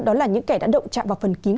đó là những kẻ đã động chạm vào phần kín